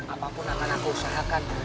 apapun akan aku usahakan